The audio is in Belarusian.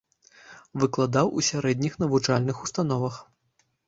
Выкладаў у сярэдніх навучальных установах.